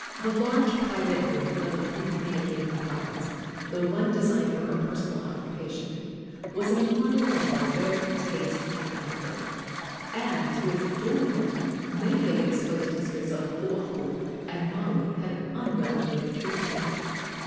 The large private room of the three communicating apartments the one designed for her personal occupation was a model of barbaric taste and comfort, and to its adornment many of the exposed districts of Oahu and Maui had unwillingly contributed.